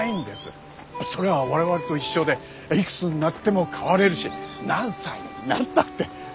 それは我々と一緒でいくつになっても変われるし何歳になったって。